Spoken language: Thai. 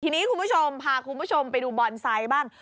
ทีนี้คุณผู้ชมพาคุณผู้ชมไปดูบอนไซต์บ้าง